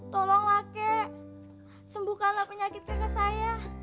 tolonglah kek sembuhkanlah penyakitnya ke saya